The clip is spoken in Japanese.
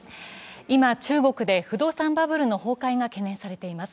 今、中国で不動産バブルの崩壊が懸念されています。